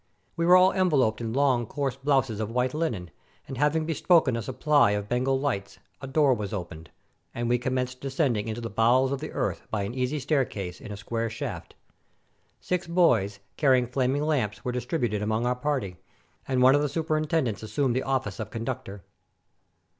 We were all enveloped in long, coarse blouses of white linen, and having bespoken a supply of Bengal lights, a door was opened, and we commenced descending into the bowels of the earth by an easy staircase, in a square shaft. Six boys, carrying flaming lamps were distributed among our party, and one of the superintendents assumed the office of conductor.